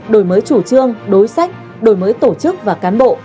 đổi mới chủ trương đối sách đổi mới tổ chức và cán bộ